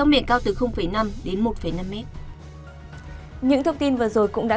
nhiệt độ cao nhất từ ba mươi bốn đến ba mươi bảy độ có nơi trên ba mươi bảy độ